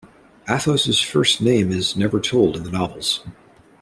Athos's first name is never told in the novels.